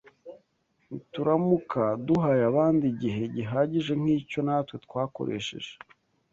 Nituramuka duhaye abandi igihe gihagije nk’icyo natwe twakoresheje